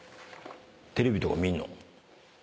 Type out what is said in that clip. テレビとか見んの？